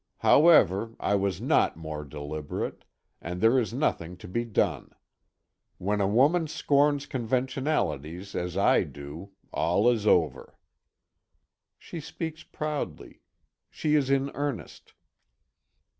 However, I was not more deliberate and there is nothing to be done. When a woman scorns conventionalities as I do, all is over." She speaks proudly. She is in earnest.